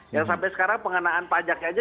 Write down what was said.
yang sampai sekarang pengenaan pajaknya aja